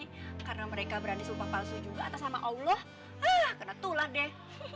nih karena mereka berani sumpah palsu juga atas sama allah ah kena tulah deh